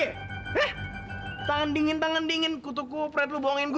eh tangan dingin tangan dingin kutu kupret lu bohongin gue